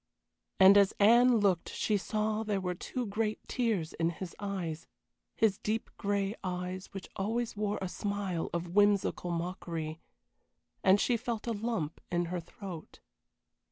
And as Anne looked she saw there were two great tears in his eyes his deep gray eyes which always wore a smile of whimsical mockery and she felt a lump in her throat.